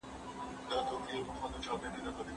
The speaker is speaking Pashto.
که انلاین ښوونځی وي نو هیله نه ختمیږي.